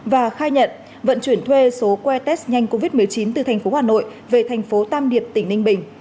và khai nhận vận chuyển thuê số que test nhanh covid một mươi chín từ thành phố hà nội về thành phố tam điệp tỉnh ninh bình